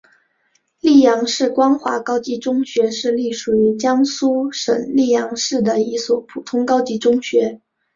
溧阳市光华高级中学是隶属于江苏省溧阳市的一所普通高级中学。